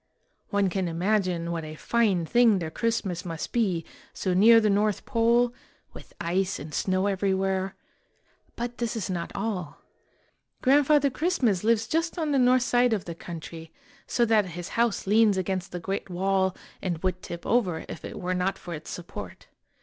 One can imagine what a fine thing their Christmas must be, so near the North Pole, with ice and snow every where; but this is not all. Grandfather Christmas lives just on the north side of the country, so that his house leans against the great wall and would tip over if it were not for its support.